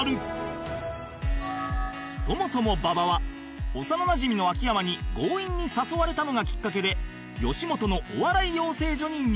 そもそも馬場は幼馴染の秋山に強引に誘われたのがきっかけで吉本のお笑い養成所に入学